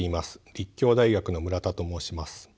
立教大学の村田と申します。